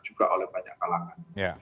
juga oleh banyak kalangan